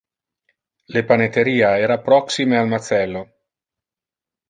Le paneteria era proxime al macello.